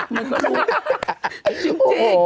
มันก็รู้จริง